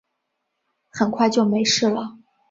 很快就没事了